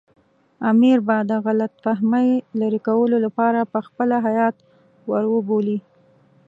امیر به د غلط فهمۍ لرې کولو لپاره پخپله هیات ور وبولي.